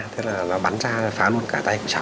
thế là nó bắn ra phá luôn cả tay của cháu